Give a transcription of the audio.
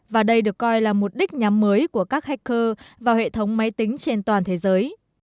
và đây được coi là mục đích nhắm mới của các hacker vào hệ thống máy tính trên toàn thế giới